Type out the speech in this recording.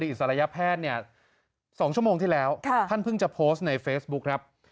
อิสรยแพทย์เนี่ย๒ชั่วโมงที่แล้วท่านเพิ่งจะโพสต์ในเฟซบุ๊คครับ